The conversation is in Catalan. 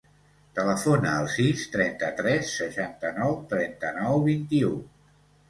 Telefona al sis, trenta-tres, seixanta-nou, trenta-nou, vint-i-u.